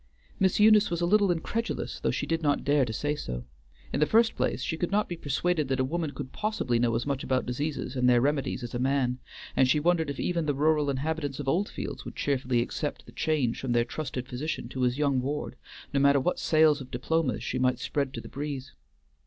Miss Eunice was a little incredulous, though she did not dare to say so. In the first place, she could not be persuaded that a woman could possibly know as much about diseases and their remedies as a man, and she wondered if even the rural inhabitants of Oldfields would cheerfully accept the change from their trusted physician to his young ward, no matter what sails of diplomas she might spread to the breeze.